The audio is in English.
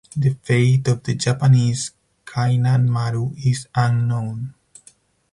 The fate of the Japanese "Kainan Maru" is unknown.